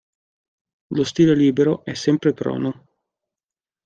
Lo stile libero è sempre prono.